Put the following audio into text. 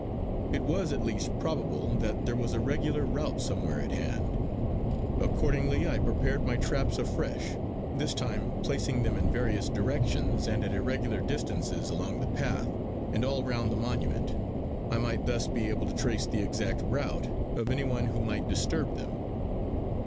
It was at least probable that there was a regular route somewhere at hand. Accordingly I prepared my traps afresh, this time placing them in various directions, and at irregular distances along the path and all round the monument. I might thus be able to trace the exact route of anyone who might disturb them.